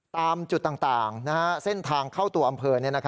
ตามจุดต่างเส้นทางเข้าตัวอำเภอ